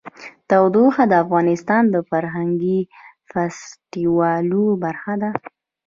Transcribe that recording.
تودوخه د افغانستان د فرهنګي فستیوالونو برخه ده.